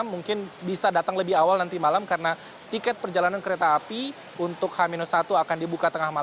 mungkin bisa datang lebih awal nanti malam karena tiket perjalanan kereta api untuk h satu akan dibuka tengah malam